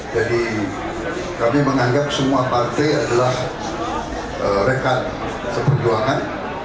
jadi kami menganggap semua partai adalah rekan seperjuangan